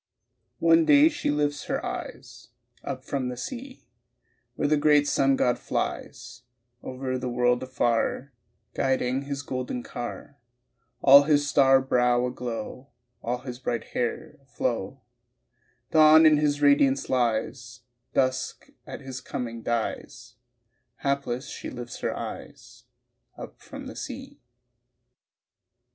One day she lifts her eyes Up from the sea Where the great sun god flies Over the world afar, Guiding his golden car All his star brow aglow, All his bright hair aflow; Dawn in his radiance lies, Dusk at his coming dies Hapless she lifts her eyes Up from the sea.